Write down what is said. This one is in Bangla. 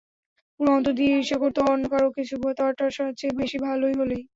পুরো অন্তর দিয়ে ঈর্ষা করত—অন্য কারও কিছু তারটার চেয়ে বেশি ভালো হলেই।